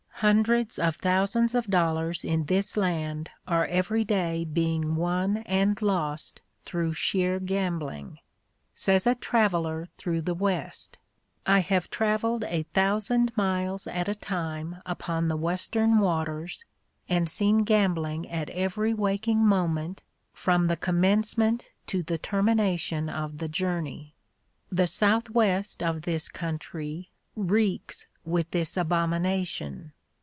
Hundreds of thousands of dollars in this land are every day being won and lost through sheer gambling. Says a traveller through the West "I have travelled a thousand miles at a time upon the Western waters and seen gambling at every waking moment from the commencement to the termination of the journey." The South west of this country reeks with this abomination.